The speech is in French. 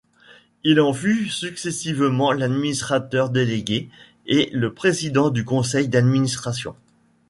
Il en fut successivement l'administrateur délégué et le président du conseil d'administration.